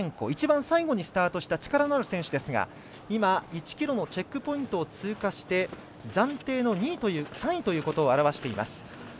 一番最後にスタートした力のある選手ですが今、１ｋｍのチェックポイントを通過して暫定の３位ということを表しています。